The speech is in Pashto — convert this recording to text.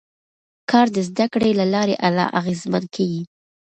کار د زده کړې له لارې لا اغېزمن کېږي